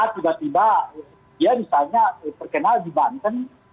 tiba tiba misalnya perkenal di banten